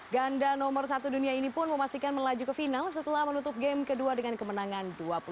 ganda nomor satu dunia ini pun memastikan melaju ke final setelah menutup game kedua dengan kemenangan dua puluh satu